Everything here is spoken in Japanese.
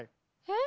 え？